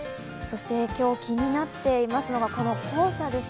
今日、気になっていますのが黄砂です。